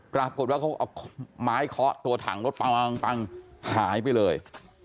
ปรากฏว่าเขาเอาไม้เคาะตัวถังรถปังหายไปเลย